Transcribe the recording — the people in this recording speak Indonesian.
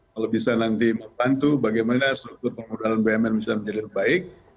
kalau bisa nanti membantu bagaimana struktur penggunaan bumn bisa menjadi lebih baik